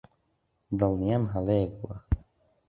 دڵنیام هەڵەیەک بووە.